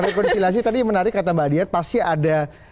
rekonsiliasi tadi menarik kata mbak dian pasti ada